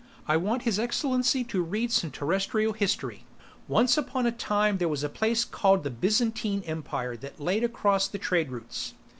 I want His Excellency to read some Terrestrial History. Once upon a time there was a place called the Byzantine Empire that laid across the trade routes.